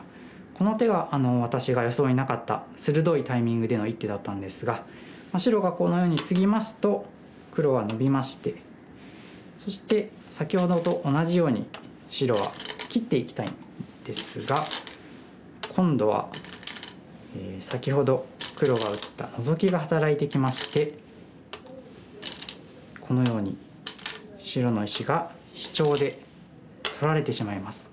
この手は私が予想になかった鋭いタイミングでの一手だったんですが白がこのようにツギますと黒はノビましてそして先ほどと同じように白は切っていきたいんですが今度は先ほど黒が打ったノゾキが働いてきましてこのように白の石がシチョウで取られてしまいます。